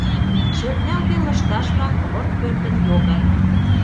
Шӧртнялге лышташ-влак Выр пӧрдын йогат.